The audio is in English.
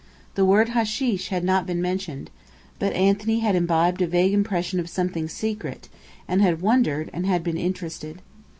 The word "hasheesh" had not been mentioned, but Anthony had imbibed a vague impression of something secret, and had wondered, and been interested.